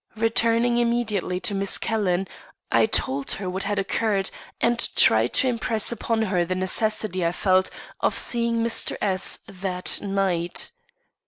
Returning immediately to Miss Calhoun, I told her what had occurred, and tried to impress upon her the necessity I felt of seeing Mr. S that night.